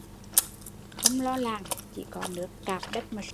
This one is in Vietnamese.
Không lo làm, chỉ có nước cạp đất mà sống